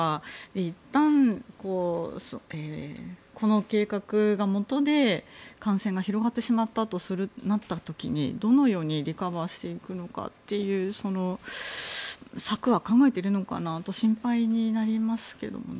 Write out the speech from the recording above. いったんこの計画がもとで感染が広がってしまったとなった時にどのようにリカバーしていくのかというその策は考えているのかなと心配になりますけどね。